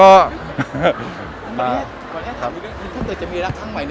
ก่อนแท้ถามคุณว่าต้องเติบจะมีรักทั้งใหม่